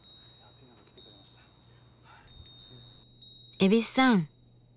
蛭子さん。